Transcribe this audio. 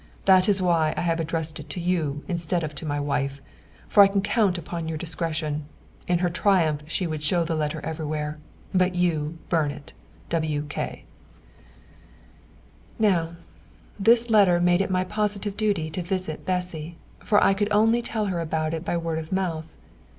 That is why I have addressed it to you instead of to my wife, for I can count upon your discretion. In her triumph she would show the letter everywhere. But you burn it. W. K." Now, this letter made it my positive duty to visit Bessy, for I could only tell her about it by word of mouth.